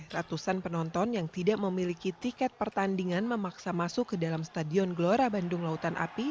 ratusan penonton yang tidak memiliki tiket pertandingan memaksa masuk ke dalam stadion gelora bandung lautan api